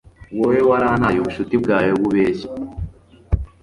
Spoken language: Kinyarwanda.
wowe, warantaye! ubucuti bwawe bubeshya